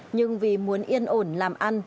nhưng vì muốn yên ổn làm ăn